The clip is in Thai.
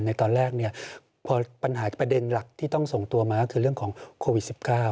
ในตอนแรกพอปัญหาประเด็นหลักที่ต้องส่งตัวมาก็คือเรื่องของโควิด๑๙